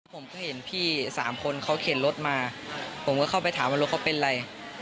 ผมก็เห็นพี่สามคนเขาเข็นรถมาผมก็เข้าไปถามว่ารถเขาเป็นอะไร